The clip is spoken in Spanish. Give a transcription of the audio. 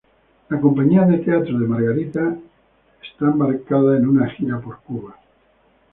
La compañía de teatro de Margarita es embarcada en una gira a Cuba.